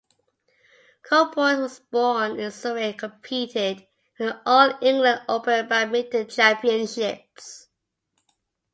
Colpoys was born in Surrey and competed in the All England Open Badminton Championships.